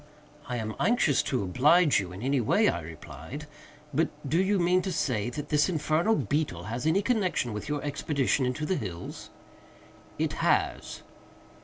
"I am anxious to oblige you in any way," I replied; "but do you mean to say that this infernal beetle has any connection with your expedition into the hills?" "It has."